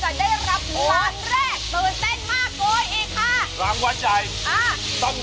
โกยได้อีกนะคะสูงกว่านี้ได้อีกนะคะ